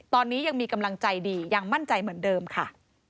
ตอนนี้ยังมีกำลังใจดียังมั่นใจเหมือนเดิมค่ะ